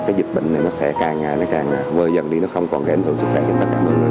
cái dịch bệnh này nó sẽ càng vơi dần đi nó không còn gây ảnh hưởng sức khỏe cho tất cả mọi người